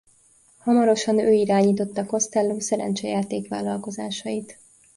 Hamarosan ő irányította Costello szerencsejáték vállalkozásait.